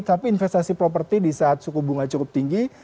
tapi investasi properti disaat suku bunga cukup tinggi